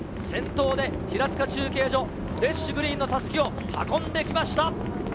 先頭で平塚中継所、フレッシュグリーンのたすきを運んできました。